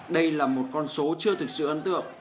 đây là một con số chưa thực sự ấn tượng